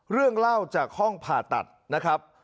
เรื่องเล่าจากห้องผ่าตัดนะครับ